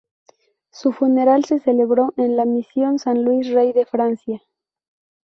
Su funeral se celebró en la Misión San Luis Rey de Francia.